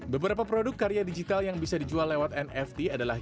beberapa produk karya digital yang bisa dijual lewat nft adalah